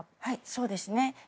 そうですね。